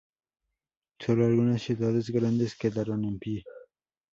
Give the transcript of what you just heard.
Sólo algunas ciudades grandes quedaron en pie.